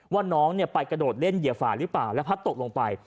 ว่าน้องไปกระโดดเล่นเหยียบฝ่าหรือเปล่าแล้วพัดตกลงไป